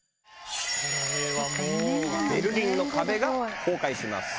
ベルリンの壁が崩壊します。